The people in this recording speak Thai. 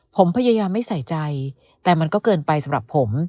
ผมพยายามไม่ใส่ใจแต่มันก็เกินไปสำหรับผม